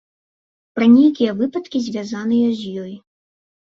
Пра нейкія выпадкі, звязаныя з ёй.